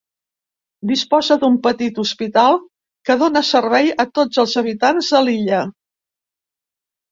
Disposa d'un petit hospital que dóna servei a tots els habitants de l'illa.